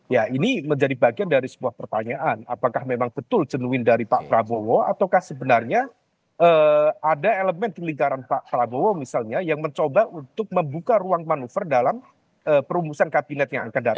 ya ini menjadi bagian dari sebuah pertanyaan apakah memang betul genuin dari pak prabowo ataukah sebenarnya ada elemen di lingkaran pak prabowo misalnya yang mencoba untuk membuka ruang manuver dalam perumusan kabinet yang akan datang